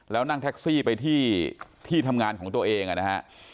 แล้วนั่งแท็กซี่ไปที่ที่ทำงานของตัวเองนะฮะ